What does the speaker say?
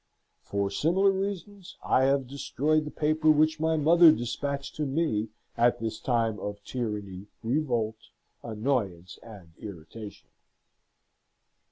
For similar reasons, I have destroyed the paper which my mother despatched to me at this time of tyranny, revolt, annoyance, and irritation.